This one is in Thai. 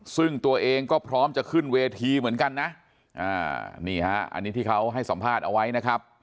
ซึ่งตัวเองก็พร้อมจะขึ้นเวทีเหมือนกันนะนี่ฮะอันนี้ที่เขาให้สัมภาษณ์เอาไว้นะครับ